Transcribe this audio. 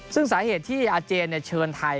ซึ่งสาเหตุที่อาเจนเชิญไทย